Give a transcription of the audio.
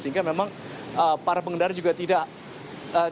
sehingga memang para pengendara juga tidak bisa mencari jalan yang lebih jauh